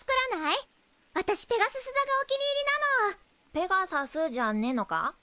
「ペガサス」じゃねえのか？